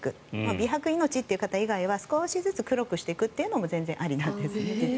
美白命という方以外は少しずつ黒くしていくということも全然ありなんです。